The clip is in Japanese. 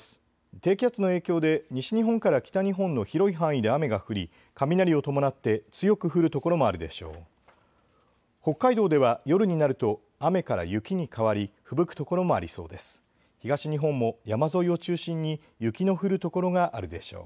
低気圧の影響で西日本から北日本の広い範囲で雨が降り雷を伴って強く降る所もあるでしょう。